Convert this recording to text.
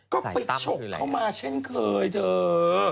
ก็ไปชกเพราะเคยเถอะ